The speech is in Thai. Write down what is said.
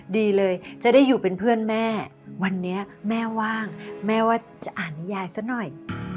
ดีเลยจะได้อยู่เป็นเพื่อนแม่วันนี้แม่ว่างแม่ว่าจะอ่านนิยายซะหน่อย